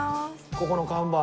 ここの看板。